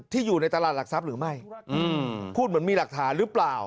อยู่ในตลาดหลักทรัพย์หรือไม่พูดเหมือนมีหลักฐานหรือเปล่า